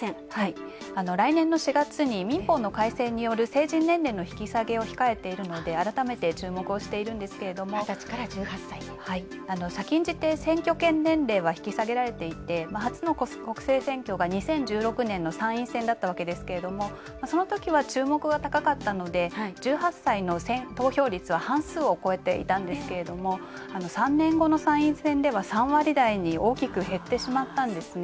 来年の４月に民法の改正による成人年齢の引き下げを控えているので改めて注目をしているんですけれども先んじて選挙権年齢は引き下げられていて、初の国政選挙が２０１６年の参院選だったわけですけどもそのときは注目が高かったので１８歳の投票率は半数を超えていたんですけども３年後の参院選では３割台に大きく減ってしまったんですね。